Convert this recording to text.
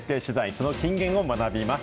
その金言を学びます。